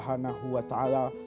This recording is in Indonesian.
mudah mudahan allah swt